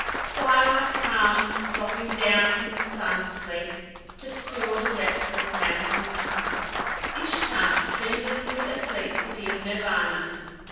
Twilight calm dropping down from the sun sleep to still the restless mountain tarn. Ishtar dreamlessly asleep within Nirvana.